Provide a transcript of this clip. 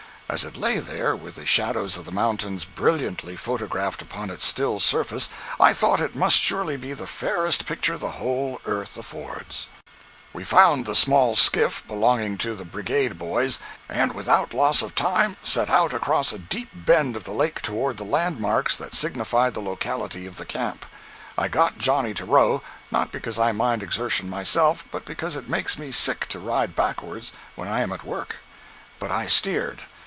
As it lay there with the shadows of the mountains brilliantly photographed upon its still surface I thought it must surely be the fairest picture the whole earth affords. 169.jpg (80K) We found the small skiff belonging to the Brigade boys, and without loss of time set out across a deep bend of the lake toward the landmarks that signified the locality of the camp. I got Johnny to row—not because I mind exertion myself, but because it makes me sick to ride backwards when I am at work. But I steered.